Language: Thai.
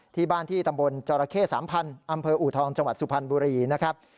ที่บ้านที่ตำบลจรเข้๓๐๐อำเภออูทองจังหวัดสุพรรณบุรีนะครับ